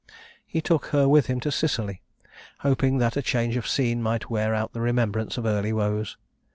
"He took her with him to Sicily, hoping that a change of scene might wear out the remembrance of early woes.